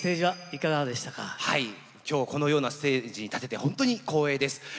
はい今日このようなステージに立ててホントに光栄です。